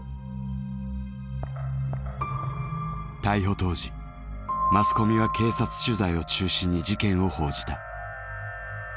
逮捕当時マスコミは警察取材を中心に事件を報じた。